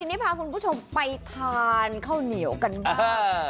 ทีนี้พาคุณผู้ชมไปทานข้าวเหนียวกันบ้าง